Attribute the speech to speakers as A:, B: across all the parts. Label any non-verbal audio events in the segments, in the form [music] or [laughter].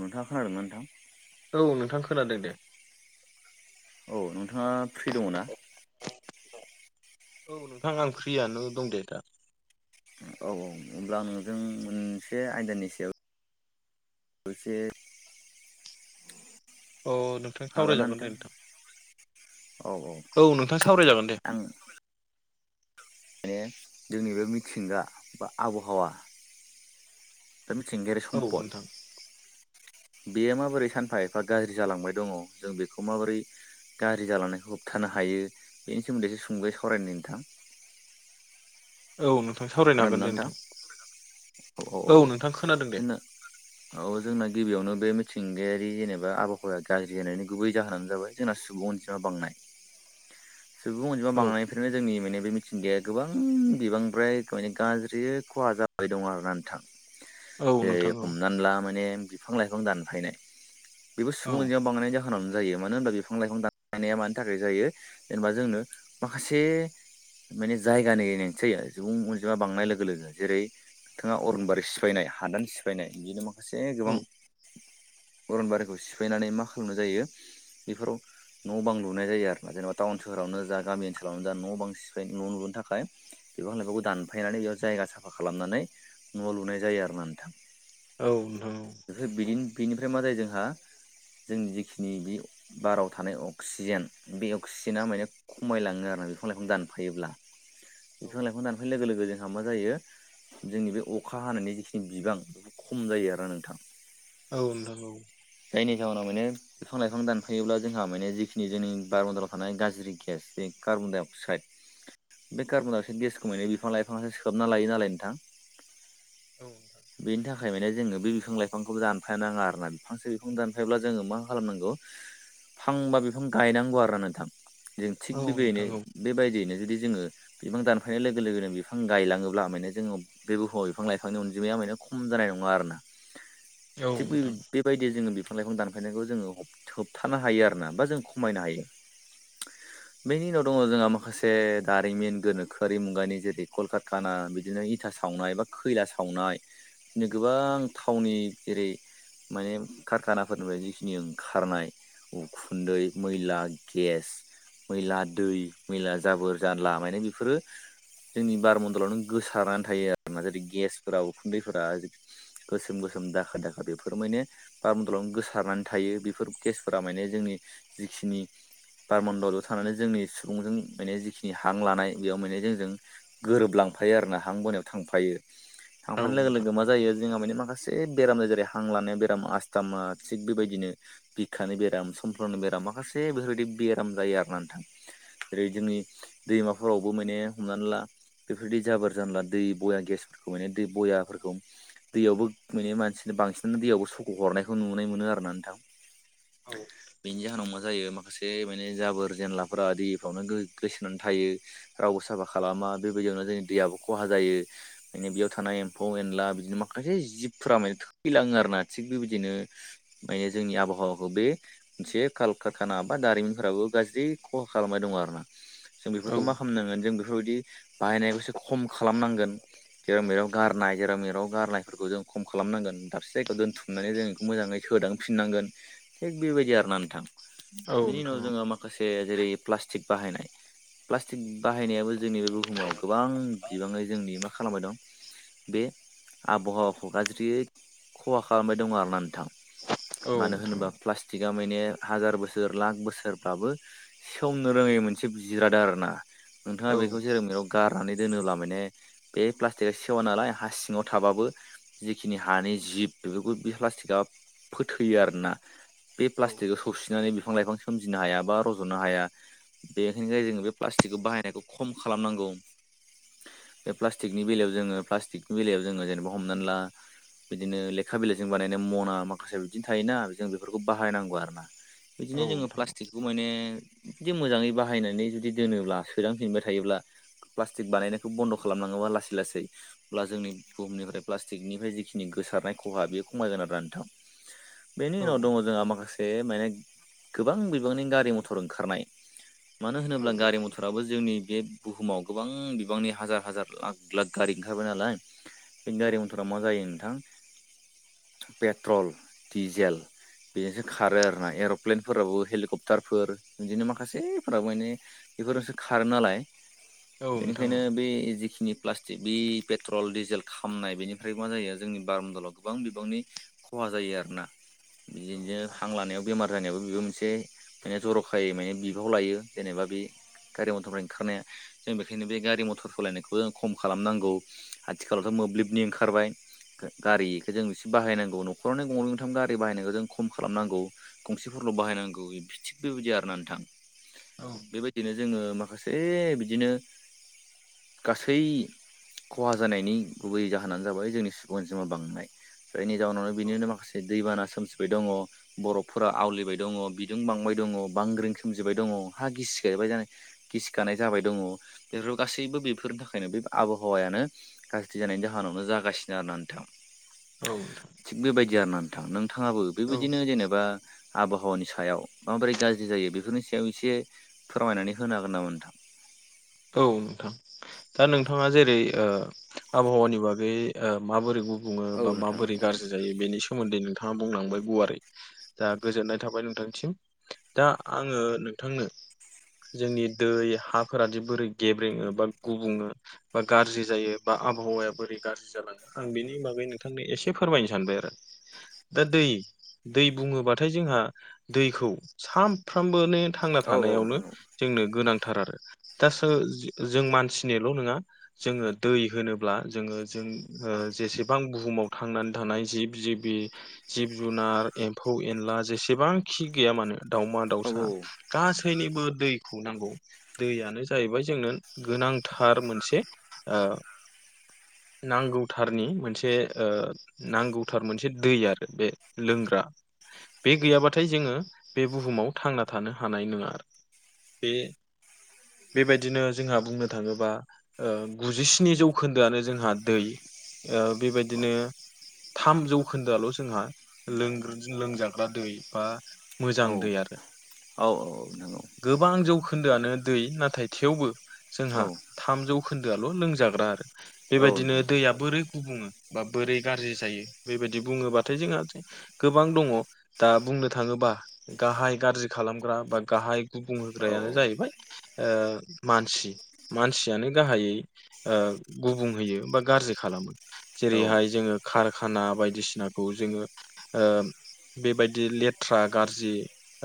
A: नोंथाङा खोनादों ना नोंथां
B: औ नोंथां खोनादों दे
A: औ नोंथाङा फ्रि दङ' ना?
B: औ नोंथां आं फ्रियानो दं दे दा
A: औ औ होमब्ला नोंजों मोनसे आयदानि सायाव मोनसे
B: औ नोंथां सावरायजागोन दे नोंथां औ नोंथां सावरायजागोन दे
A: माने जोंनि बे मिथिंगा बा आबहावा ओ मिथिंगारि
B: औ नोंथां
A: सम्पद बेयो माबोरै सानफा एफा गाज्रि जालांबाय दङ जों बेखौ माबोरै गारि जालांनायखौ होबथानो हायो बेनि सोमोन्दैसो सुंदयै सावरायनो नोंथां
B: औ नोंथां सावरायनो हागोन दे नोंथां औ नोंथां खोनादों दे।
A: जोंना औ जोंना गिबियावनो बे मिथिंगायारि जेनेबा आबहावाया गाज्रि जानायनि गुबै जाहोनानो जाबाय जोंना सुबुं अनजिमा बांनाय
B: [inaudible]
A: सुबुं अनजिमा
B: औ
A: बांनायनिफ्रायनो जोंनि माने बे मिथिंगाया गोबां बिबांनिद्राय माने गाज्रि खहा जाबाय दं आरो ना नोंथां
B: औ
A: जेरै
B: नोंथां औ
A: हमनानै ला माने बिफां लाइफां दानफायनाय बेबो
B: औ
A: सुबुं अनजायाव बांनाय जा जाहोनावनो जायो मानो होनबा बिफां लाइफां दा मानि थाखाय जायो जेनेबा जोंनो माखासे माने जायगानि गोनांथि जायो सुबुं अन जिमा बांनाय लोगो लोगो जेरै नोंथाङा अरनबारि सिफायनाय हादान सिफायनाय बिदिनो मा माखासे गोबां
B: औ
A: अरन बारिखौ सिफायनानै मा खालामनाय जायो बेफोराव न' बां लुनाय जायो आरोना जेनेबा टाउन सोहावनो जा गामि ओनसोलावनो जा न' बां सिफाय न' लुनो थाखाय बिफां ला लाइफांखौ दानफायनानै बेयाव जायगा साफा खालामनानै न'आव लुनाय जायो आरो ना नोंथां
B: औ
A: बेनिफ्राय मा जायो जोंहा जोंनि जेखिनि बे बाराव थानाय अक्सिजेन बे अक्सिजेना माने खमायलाङो आरोा बिफां लाइफां दानफायोब्ला।
B: औ।
A: बिफां लाइफां दानफैनाय लोगो लोगो जोंहा मा जायो जोंनि बे अखा हानायनि जिखिनि बिबां बेफोर खम जायो आरो नोंथां।
B: औ नंगौ औ
A: जायनि जाहोनाव माने बिफां लाइफां दानफायोब्ला जोंहा माने जिखिनि जोंनि बारमन्दालाव थानाय गाज्रि गेस बे कार्बन डाइ अक्साइड बे कारमोन दावसे गेस खमायनाय बिफां लाइफां बिफां सोबना लायो नालाय नोंथां बेनि थाखाय माने जोङो बे बिफां लाइ बिफांखौबो दानफायानो नाङा आरोना बिफांसे बिफां दानफायोब्ला जोङो मा खालामनांगौ फांबा बिफां गायनांगौ आरो नोंथां। जों थिग
B: औ नोंथां औ
A: बेबाययैनो
B: नोंथां औ
A: बेबायदियैनो जुदि जोङो बिबां दानफायनाय लोगो लोगोनो बे बिफां गायलाङोब्ला माने जोङो बे बुहुमाव बिफां लाइफांनि अनजिमाया मे खम जानाय नङा आरोना
B: औ
A: [unintelligible] बेबायदि जोङो बिफां लाइफां दानफायनायखौ जोङो होबथानो हायो आरोना बा जों खमायनो हायो। बेनि उनाव दङ जोंहा माखासे दारिमिन गोनोखोआरि मुगानि जेरै कलकाताना बिदिनो इथा सावनाय बा खैला सावनाय बिदिनो गोबां थावनि जेरै माने कारखानाफोरनिफ्राय जिखिनि ओंखारनाय उखुन्दै मैला गेस मैला दै मैला जाबोर जानला मे बेफोरो जोंनि बारमन्दलावनो गोसारानानै थायो आरोना जेरै गेसफोरा उखुन्दैफोरा गोसोम गोसोम दाखा दाखा बेफोर माने बार मदलावनो गोसारनानै थायो बेफोर गेसफोरा माने जोंनि जिखिनि बारमन्दलआव थानानै जोंनि सुबुंजों माने जिखिनि हां लानाय बेयाव माने जोंजों गोरोबलांफायो आरोना हां बोनायाव थांफायो थांफानाय लोगो लोगो मा जायो जोंहा माने माखासे बेराम जायो जेरै हां लानाया बेराम आस्थामा थिग बेबायदिनो बिखानि बेराम समफ्ल'नि बेराम माखासे बेफोरबायदि बेराम जायो आरो ना नोंथां। जेरै जोंनि दैमाफोरावबो माने हमनानै ला बेफोरबायदि जाबोर जानला दै बया गेसफोरखौ माने दै बयाफोरखौ दैयावबो माने मानसिनो बांसिनानो दैयावबो सख' हरनायखौ नुनाय मोनो आरो ना नोंथां। बेनि जाहोनाव मा जायो माखा माखासे माने जाबोर जेनलाफोरा दैफ्रावनो गो गोसोनानै थायो रावबो साफा खालामा बेबायदियावनो जोंनि दैयाबो खहा जायो। माने बेयाव थानाय एम्फौ एनला बिदिनो माखासे जिबफोरा माने थखैलाङो आरो ना थिग बेबायदिनो ओमफायो जोंनि आबहावाखौ बे मोनसे कालकाखाना बा दारिमिनफोराबो गाज्रि खहा खालामनाय दं आरो ना। जों बेफोरखौ मा खामनांगोन जों बेफोरबायदि बाहायनायखौ एसे खम खालामनांगोन। जेरामेराव गारनाय गेरामेराव गारनायफोरखौ जों खम खालामनांगोन दाबसे जायायाव दोनथुम माने जों बेखौ मोजाङै सोदांफिननांगोन थिग बेबायदि आरोना नोंथां। बिनि उनाव
B: नोंथां
A: जोङो माखासे जेरै प्लास्टिक बाहायनाय प्लास्टिक बाहायनायाबो जोंनि बे बुहुमाव गोबां बिबाङै जोंनि मा खालामबाय दं- बे आबहावाखौ गाज्रि खहा खालामबाय दङ आरोना नोंथां।
B: औ
A: मानो
B: नोंथां
A: होनोबा प्लास्टिक‌ थिगा माने हाजार बोसोर लाख बोसोरबाबो सनो रोङै मोनसे जिराद आरो ना नोंथाङा
B: औ
A: बे सोरोमाव गारनानै दोनोब्ला माने बे प्लास्टिकआ सेवा नालाय हा सिङाव थाबाबो जिखिनि हानि जिब बेफोरखौ बे प्लास्टिकआ फोथैयो आरोना। बे
B: औ नोंथां औ
A: प्लास्टिक सौसिनानै बिफां लाइफां सोमजिनो हाया बा रज'नो हाया बेनिखाय जोङो बे प्लास्टिकखौ बाहायनायखौ खम खालामनांगौ। बे प्लास्टिकनि बेलायाव जोङो प्लास्टिकनि बेलायाव जोङो जेनेबा हमनान ला। बिदिनो लेखा बिलाइजों बानायनाय मना माखासे बिदिनो थायोना जों बेफोरखौ बाहायनांगौ आरो ना।
B: औ
A: बिदिनो जोङो
B: नोंथां औ नोंथां
A: प्लास्टिकखौ माने बिदि मोजाङै बाहायनानै जुदि दोनोब्ला सोदांफिनबाय थायोब्ला प्लास्टिक बानायनायखौ बन्द' खालामनाङोबा लासै लासै अब्ला जोंनि बुहुमनिफ्राय प्लास्टिकनिफ्राय जिखिनि गोसारनाय खहा बेयो खमायगोन आरोना नोंथां।
B: [inaudible]
A: बेनि उनाव दङ जोंहा माखासे माने गोबां बिबांनि गारि मथर ओंखारनाय। मानो होनोब्ला
B: औ
A: गारि मथराबो जोंनि बे बुहुमाव गोबां बिबांनि हाजार हाजार लाख लाख गारि ओंखारबाय नालाय बेनि गारि मथरा मा जायो नोंथां पेट्रल, डिजेल बेजोंसो खारो आरो ना एर'प्लेनफोराबो हेलिकप्टारफोर बिदिनो माखासेफोराबो माने बेफोरजोंसो खारो नालाय
B: नोंथां
A: बेनिखायनो बे जिखिनि प्लास्टिक बे पेट्रल डिजेल खामनाय बेनिफ्राय मा जायो जोंनि बारमडलाव गोबां बिबांनि खहा जायो आरोना
B: औ
A: बिदिनो
B: नोंथां
A: हां लानायाव बेमार जानायावबो बेबो मोनसे माने जर'खायै माने बिबाव लायो जेनेबा बे गारि मथरफ्राय ओंखारनाया। जों बेखायनो बे गारि मथर सलायनायखौ जों खम खालामनांगौ। आथिखालावथ' मोब्लिबनि ओंखारबाय। गारि इखो जों एसे बाहायनांगौ न'खरावनो गंनै गंथाम गारि बाहायनायखौ जों खम खालामनांगौ। गंसेफोरल' बाहायनांगौ थिग बेबायदि आरोना नोंथां।
B: औ।
A: बेबायदिनो जोङो माखासे बिदिनो गासै खहा जानायनि गुबै जाहोनानो जाबाय जोंनि अनजिमा बांनाय। जायनि जाउनावनो बिनिनो माखासे दैबाना सोमजिबाय दङ। बर'फफोरा आवलिबाय दङ बिदुं बांबाय दङ बांग्रिं सोमजिबाय दङ हा गिसि गायबाय जानाय गिसि गानाय जाबाय दङ बेफोर गासैबो बेफोरनि थाखायनो बे आबहावायानो गाज्रि जानायनि जाहोनावनो जागासिनो आरो ना नोंथां।
B: औ नोंथां।
A: थिग बेबायदि आरो ना नोंथां नोंथाङाबो
B: औ
A: बेबायदिनो जेनेबा आबहावानि सायाव माबोरै गाज्रि जायो बेफोरनि सायाव एसे फोरमायनानै होनो हागोन नामा नोंथां।
B: औ नोंथां दा नोंथाङा जेरै ओ आबहावानि बागै ओ माबोरै गुब बुङो
A: औ
B: बा
A: नोंथां
B: माबोरै गाज्रि
A: औ
B: जायो बेनि सोमोन्दै नोंथाङा बुंलांबाय गुवारै। दा गोजोननाय थाबाय नोंथांनिसिम दा आङो नोंथांनो जोंनि दै हाफोरा दि बोरै गेब्रेङो बा गुबुङो बा गारजि जायो बा आबहावाया बोरै गारजि जालाङो आं बिनि बागै नोंथांनो एसे फोरमायनो सानबाय आरो दा दै दै बुङोबाथाय जोंहा दैखौ सानफ्रामबोनि थांना
A: औ औ
B: थानायावनो
A: नोंथां
B: जोंनो गोनांथार आरो दा सो जों मानसिनिल' नोङा जोङो दै होनोब्ला जोङो जों ओ जेसेबां बुहुमाव थांनानै थानाय जिब जिबि जिब जुनार एम्फौ एनला जेसेबांखि गैया मानो दावमा
A: औ
B: दाउसा
A: औ
B: गासैनिबो दैखौ नांगौ दैयानो जाहैबाय जोंनो गोनांथार मोनसे ओ नांगौथारनि मोनसे ओ नांगौथार मोनसे दै आरो बे लोंग्रा। बे गैयाबाथाय जोङो बे बुहुमाव थांना थानो हानाय नोङा बे बेबायदिनो जोंहा बुंनो थाङोबा ओ गुजिस्नि जौखोन्दोआनो जोंहा दै। ओ बेबायदिनो थाम जौखोन्दोआल' जोंहा लोंग्र लोंजाग्रा दै बा मोजां
A: औ
B: दै आरो
A: औ नोंथां
B: गोबां जौखोन्दोआनो दै नाथाय थेवबो
A: औ
B: जोंहा थाम जौखोन्दोआल' लोंजाग्रा आरो।
A: औ
B: बेबायदिनो
A: नोंथां
B: दैया बोरै गुबुङो बा बोरै गारजि जायो बेबायदि बुङोबाथाय जोंङो गोबां दङ दा बुंनो थाङोबा गाहाय गाज्रि खालामग्रा बा गाहाय गुबुं
A: औ
B: होग्रायानो जाहैबाय ओ मानसि मानसियानो गाहायै ओ गुबुंहैयो बा गारजि खालामो
A: औ
B: जेरैहाय जोङो खारखाना बायदिसिनाखौ जोङो ओ बेबायदि लेथ्रा गारजि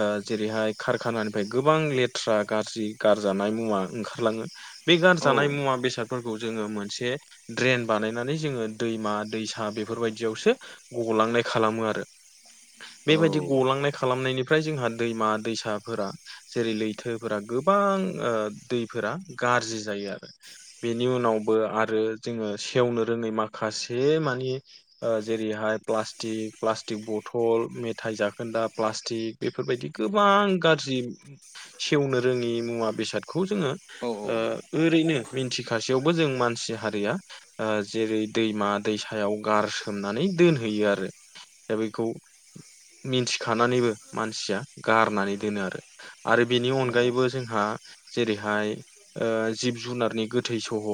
B: ओ जेरैहाय कारखानानिफ्राय गोबां लेथ्रा गारजि गारजानाय मुवा ओंखारलाङो बे
A: नोंथां
B: गारजानाय मुवा बेसाद फोरखौ जोङो मोनसे ड्रेन बानायनानै जोङो दैमा दैसा बेफोरबायदियावसो गग'लांनाय खालामो आरो बेबायदि गलांनाय खालामनायनिफ्राय जोंहा दैमा दैसाफोरा जेरै लैथो फोरा गोबां ओ दैफोरा गारजि जायो आरो बेनि उनावबो आरो जोङो सेवनो रोङै माखासे मानि ओ जेरैहाय प्लास्टिक प्लास्टिक बथल मेथाइ जाखोन्दा प्लास्टिक बेफोरबायदि गोबां गारजि सेवनो रोङि मुवा बेसादखौ जोङो
A: औ
B: ओ ओरैनो मिन्थिखासेयावबो जों मानसि हारिया ओ जेरै दैमा दैसायाव गारसोमनानै दोनहैयो आरो दा बेखौ मिन्थिखानानैबो मानसिया गारनानै दोनो आरो आरो बेनि
A: औ
B: अनगायैबो जों हा जेरैहाय ओ जिब जुनारनि गोथै सह'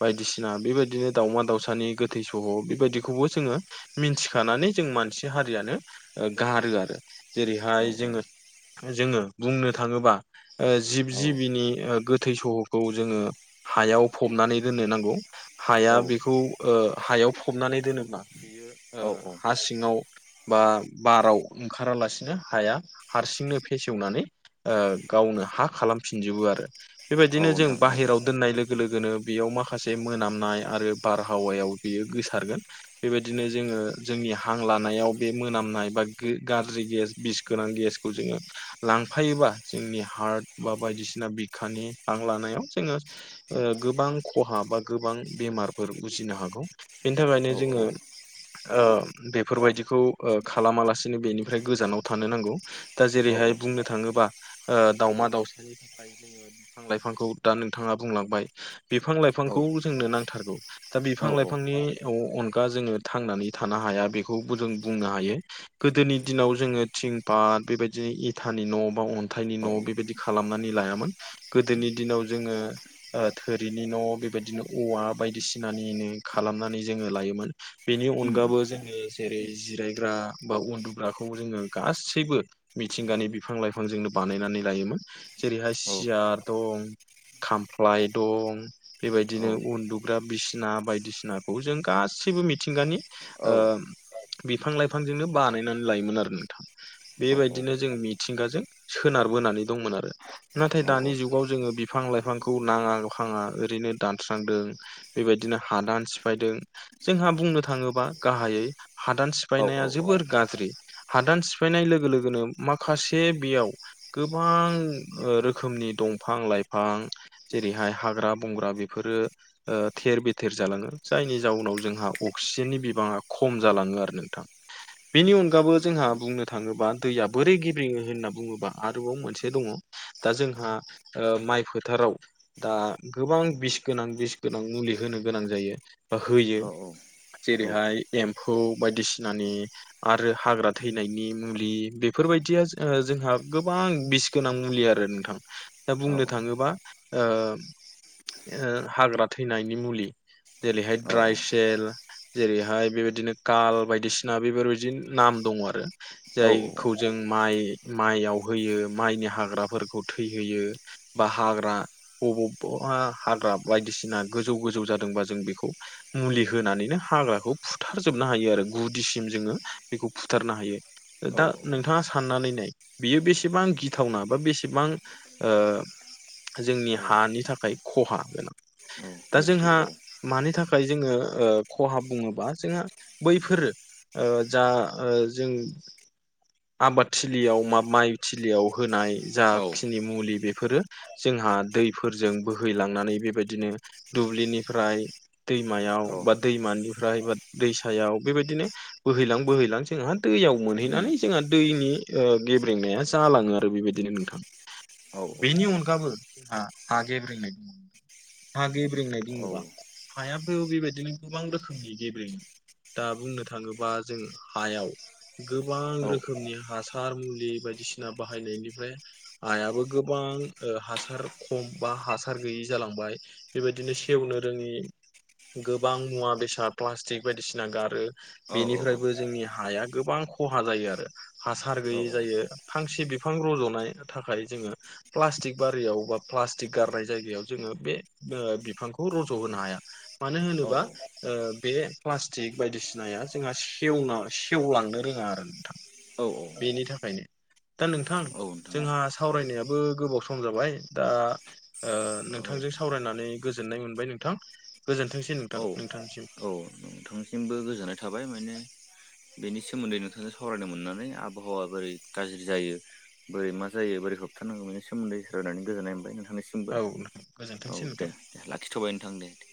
B: बायदिसिना बेबायदिनो दाउमा दाावसानि गोथै सह' बेबायदिखौबो जोङो मिन्थिखानानै जों मानसि हारियानो ओ गारो आरो जेरैहाय जोङो
A: औ
B: जोङो बुंनो थाङोबा ओ जिब जिबिनि ओ गोथै सह'खौ जोङो हायाव फबनानै दोननो नांगौ। हाया बेखौ ओ हायाव फबनानै दोनोब्ला
A: औ
B: ओ हा सिं ङाव बा बाराव ओंखारालासिनो हाया हारसिंनो फेसेवनानै ओ गावनो हा खालामफिनजोबो आरो
A: औ
B: बेबायदिनो जों
A: नोंथां औ
B: बाहेराव दोननाय लोग ओ लोगोनो बेयाव माखासे मोनामनाय आरो बारहावायाव बियो गोसारगोन बेबायदिनो जोङो जोंनि हां लानायाव बे मोनामनाय बा गे गाज्रि गेस बिस गोनां गेस खौ जोङो लांफायोबा जोंनि हार्ट बा बायदिसिना बिखानि हां लानायाव जोङो ओ गोबां खहा बा गोबां बेमारफोर उजिनो हागौ। बेनि
A: औ
B: थाखायनो जोङो बेफोरबायदिखौ खालामालासिनो बेनिफ्राय गोजानाव थानो नांगौ दा जेरैहाय बुंनो थाङोबा दावमा दाउसा बिफां लाइफांखौ दा नोंथाङा बुंलांबाय बिफां
A: औ
B: लाइफांखौ जोंनो नांथारगौ दा बिफां
A: औ
B: लाइफांनि अनगा जोङो थांनानै थानो हाया बेखौबो जों बुंनो हायो गोदोनि दिनाव जोङो थिं पाट बेबायदिनो इथानि न' बा अ हाथायनि
A: औ
B: न' बेबायदि खालामनानै लायामोन गोदोनि दिनाव जोङो थोरिनि न' बेबायदिनो औवा बायदिसिनानिनो खालामनानै जोङो लायोमोन बेनि
A: उम
B: अनगाबो जोङो जेरै जिरायग्रा बा उन्दुग्राखौ जोङो गासैबो मिथिंगानि बिफां लाइफांजोंनो बानायनानै लायोमोन जेरैहाय
A: औ
B: सियार दं खामफ्लाय दं
A: औ
B: बेबायदिनो उन्दुग्रा बिसिना बायदिसिनाखौ जों गासैबो मिथिंगानि ओ
A: औ औ
B: बिफां लाइफांजोंनो बानायनानै लायोमोन आरो नोंथां।
A: औ
B: बेबायदिनो जों मिथिंगाजों सोनारबोनानै दंमोन आरो नाथाय दानि जुगाव जोङो बिफां लाइफांखौ नाङा खाङा ओरैनो दानस्रांदों। बेबायदिनो हादान सिफायदों जोंहा बुंनो थाङोबा गाहायै हादान
A: औ
B: सिफायनाया जोबोर गाज्रि हादान सिफायनाय लोगो लोगोनो माखासे बेयाव गोबां ओ रोखोमनि दंफां लाइफां जेरैहाय हाग्रा बंग्रा बेफोरो थेर बेथेर जालाङो जायनि जाउनाव जोंहा अक्सिजेननि बिबाङा खम जालाङो आरो नोंथां। बेनि अनगाबो जोंहा बुंनो थाङोबा दैया बोरै गेब्रेङो होनना बुङोब्ला। आरोबाव मोनसे दङ दा जोंहा माइ फोथाराव। दा गोबां बिस गोनां बिस गोनां मुलि होनो गोनां जायो बा होयो। जेरैहाय एम्फौ बायदिसिनानि। आरो हाग्रा थैनायनि मुलि बेफोरबायदिया जोंहा। गोबां बिस गोनां मुलि आरो नोंथां दा बुंनो थाङोबा। हाग्रा थैनायनि मुलि जेरैहाय दड्राय सेल। जेरैहाय बेबायदिनो काल बायदिसिना बेफोरबायदि नाम दङ आरो जायखौ
A: औ
B: जों माइ माइयाव होयो माइनि हाग्राफोरखौ थैहोयो बा हाग्रा बबावबा हाग्रा बायदिसिना गोजौ गोजौ जादोंबा जों बेखौ। मुलि होनानैनो हाग्राखौ फुथारजोबनो हायो आरो गुदिसिम जोङो बेखौ फुथारनो हायो। दा नोंथाङा साननानै नाय। बियो बेसेबां गिथावना बा बेसेबां। जोंनि
A: औ
B: हानि थाखाय खहा गोनां दा
A: गाज्रि
B: जोंहा।
A: औ
B: मानि थाखाय जोङो खहा बुङोबा जोङो बैफोरो। जा जों आबादथिलियाव माबा। माइ थिलियाव होनाय
A: औ
B: जाखिनि मुलि बेफोरो। जोंहा दैफोरजों बोहैलांनानै बेबायदिनो दुब्लिनिफ्राय। दैमायाव
A: औ
B: बा दैमानिफ्राय बा दैसायाव बेबायदिनो। बोहैलां बोहैलां जोंहा दैयाव
A: उम
B: मोनहैनानै जोंहा दैनि। गेब्रेंनाया जालाङो आरो बेबायदिनो नोंथां।
A: औ
B: बेनि अनगाबो जोंहा हा गेब्रेंनाय हा गेब्रेंनाय
A: औ
B: बुङोबा हायाबो बेबायदिनो गोबां रोखोमनि गेब्रेनाय। दा बुंनो थाङोबा जों हायाव गोबां रोखोमनि हासार मुलि। बायदिसिना बाहायनायनिफ्राय। आइयाबो गोबां हासार खम बा हासार गैयि जालांबाय। बेबायदिनो सेवनो रोङि गोबां मुवा बेसाद प्लास्टिक बायदिसिना गारो। बेनिफ्रायबो
A: औ
B: जोंनि हाया गोबां खहा जायो आरो हासार गैयै। जायो फांसे बिफां रज'नाय थाखाय जोङो। प्लास्टिक बारियाव बा प्लास्टिक गारनाय जायगायाव जोङो बे। बिफांखौ रज' होनो हाया। मानो होनोबा बे प्लास्टिक बायदिसिनाया जोंहा सेवनाय। सेवलांनो रोङा आरो नोंथां
A: औ औ
B: बेनि थाखाय। बेखायनो दा नोंथां
A: औ नोंथां
B: जोंहा सावरायनायाबो गोबाव सम जाबाय दा।
A: औ
B: नोंथांजों सावरायनानै गोजोननाय मोनबाय नोंथां गोजोनथोंसै नोंथां नोंथांसिम।
A: दंसिमबो गोजोननाय थाबाय माने। बेनि सोमोन्दै नोंथांजों सावरायनो मोननानै आबहावा बोरै गाज्रि जायो। बोरै मा जायो बोरै होबथानांगौ बेनिोमोन्ै स रायनानै गोजोननाय मोनबाय नोंथांनिसिम। बो
B: औ नोंथां
A: औ
B: गोजोनथोंसै नोंथां
A: दे दे लाखिथ'बाय नोंथां दे दे।